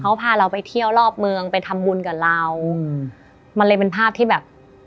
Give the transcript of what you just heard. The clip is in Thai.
เขาพาเราไปเที่ยวรอบเมืองไปทำบุญกับเราอืมมันเลยเป็นภาพที่แบบ